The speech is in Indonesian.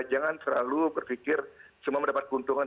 jangan selalu berpikir semua mendapat keuntungan